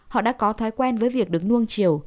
họ đã có thói quen với việc được nuông chiều